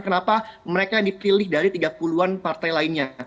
kenapa mereka dipilih dari tiga puluh an partai lainnya